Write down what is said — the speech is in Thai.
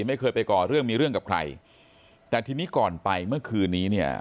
ไม่เคยไปก่อเรื่องมีเรื่องกับใครแต่ทีนี้ก่อนไปเมื่อคืนนี้เนี่ย